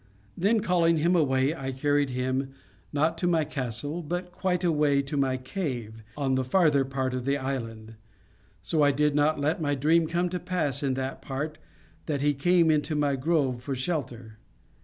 Then, calling him away, I carried him, not to my castle, but quite away to my cave, on the farther part of the island: so I did not let my dream come to pass in that part, that he came into my grove for shelter.